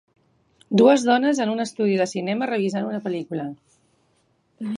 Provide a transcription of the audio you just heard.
Dues dones en un estudi de cinema revisant una pel·lícula